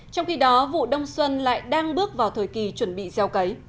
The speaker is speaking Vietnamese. trong khi đó vụ đông xuân lại đang bước vào thời gian tiếp theo